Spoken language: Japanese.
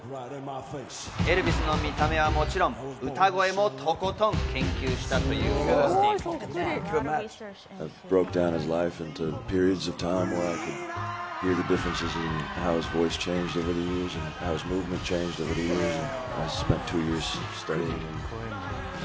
エルヴィスの見た目はもちろん、歌声もとことん研究したということです。